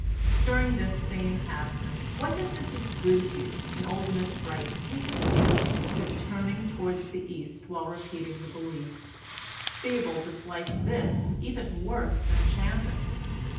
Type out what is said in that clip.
During this same absence what had Mrs Goodhew and old Miss Wright taken to doing but turning towards the east while repeating the Belief? Theobald disliked this even worse than chanting.